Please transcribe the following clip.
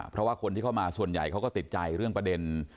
เพราะว่าคนที่เข้ามาส่วนใหญ่เขาก็ติดใจเรื่องประเด็น